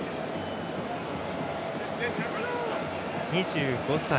２５歳。